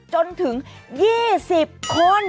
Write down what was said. จนถึง๒๐คน